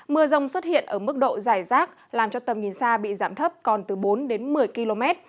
mưa rông xuất hiện ở mức độ dài rác làm cho tầm nhìn xa bị giảm thấp còn từ bốn đến một mươi km